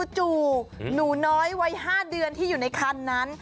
จู่หนูน้อยวัย๕เดือนที่อยู่ในคันนั้น